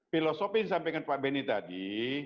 filosofi yang disampaikan pak benny tadi